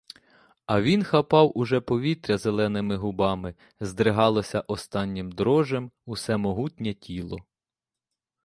А він хапав уже повітря зеленими губами, здригалося останнім дрожем усе могутнє тіло.